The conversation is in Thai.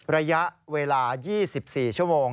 ระยะเวลา๒๔ชั่วโมง